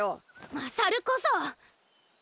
勝こそ！